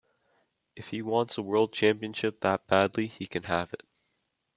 If he wants the world championship that badly he can have it.